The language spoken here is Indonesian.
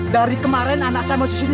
dari kemarin anak saya masih sini